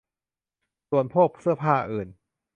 ส่วนพวกเสื้อผ้าอื่น